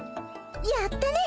やったね！